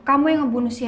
kamu yang ngebunuh siena